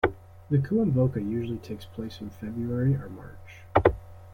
The Kuomboka usually takes place in February or March.